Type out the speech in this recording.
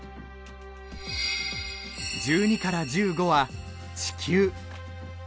１２から１５は「地球」。